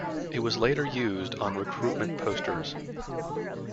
It was later used on recruitment posters.